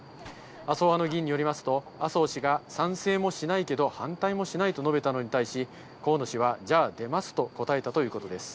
麻生派の議員によりますと、麻生氏が賛成もしないけど反対もしないと述べたのに対し、河野氏は、じゃあ、出ますと答えたということです。